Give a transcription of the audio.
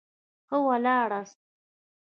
ښه ولاړاست.